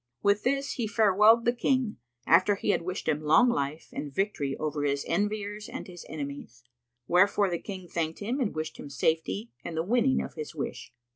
With this he farewelled the King, after he had wished him long life and victory over his enviers and his enemies; wherefore the King thanked him and wished him safety and the winning of his wish.